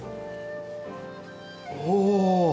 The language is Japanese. おお！